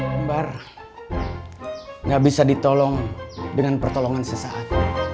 kembar nggak bisa ditolong dengan pertolongan sesaat